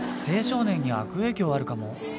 青少年に悪影響あるかも。